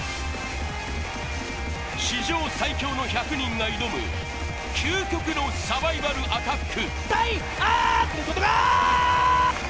史上最強の１００人が挑む究極のサバイバルアタック。